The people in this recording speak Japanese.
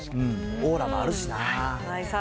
オーラがあるしなぁ。